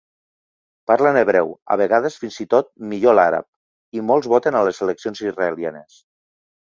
Parlen hebreu, a vegades fins i tot millor l'àrab, i molts voten a les eleccions israelianes.